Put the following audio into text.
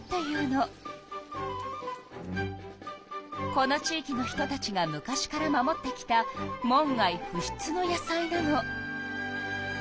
この地いきの人たちが昔から守ってきた門外不出の野菜なの。